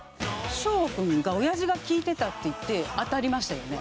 ショーゴ君がおやじが聴いてたっていって当たりましたよね。